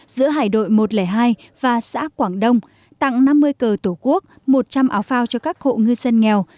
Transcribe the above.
giữa hải đội một trăm linh hai và xã quảng đông tặng năm mươi cờ tổ quốc một trăm linh áo phao cho các hộ ngư dân nghèo